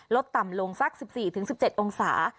ต่ำลงสัก๑๔๑๗องศา